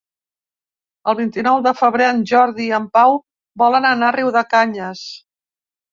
El vint-i-nou de febrer en Jordi i en Pau volen anar a Riudecanyes.